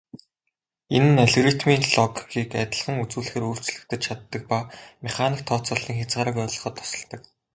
Энэ нь алгоритмын логикийг адилхан үзүүлэхээр өөрчлөгдөж чаддаг ба механик тооцооллын хязгаарыг ойлгоход тусалдаг.